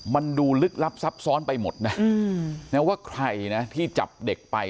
มันดูลึกลับซับซ้อนไปหมดนะว่าใครนะที่จับเด็กไป